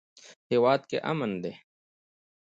هیواد کې امن ده